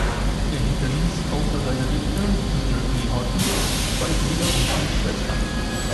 Er hinterließ außer seiner Witwe, Mildred Lee Hodges, zwei Brüder und fünf Schwestern.